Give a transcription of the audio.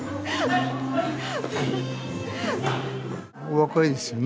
お若いですよね。